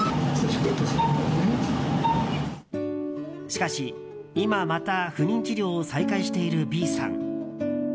しかし、今また不妊治療を再開しているＢさん。